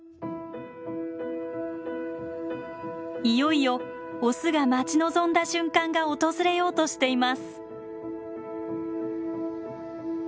いよいよオスが待ち望んだ瞬間が訪れようとしています。